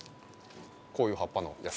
こういう葉っぱのやつ。